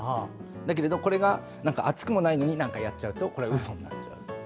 だけど、これが熱くもないのにやっちゃうとこれはうそになっちゃう。